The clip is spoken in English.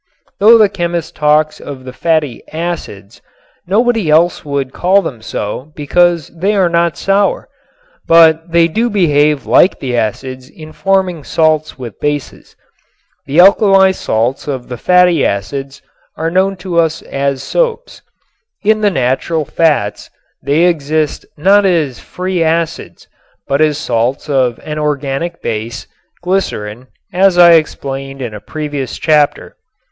Though the chemist talks of the fatty "acids," nobody else would call them so because they are not sour. But they do behave like the acids in forming salts with bases. The alkali salts of the fatty acids are known to us as soaps. In the natural fats they exist not as free acids but as salts of an organic base, glycerin, as I explained in a previous chapter.